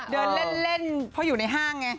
เดินเล่นเพราะอยู่ในห้างไง